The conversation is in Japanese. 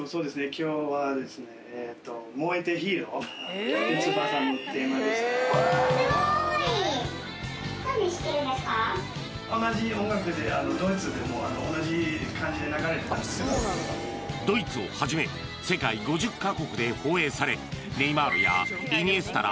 今日はですねドイツをはじめ世界５０カ国で放映されネイマールやイニエスタら超一流選手にも